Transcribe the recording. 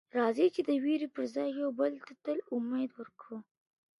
راځئ چې د وېرې پر ځای یو بل ته تل امېد ورکړو.